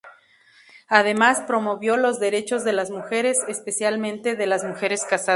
Además promovió los derechos de las mujeres, especialmente de las mujeres casadas.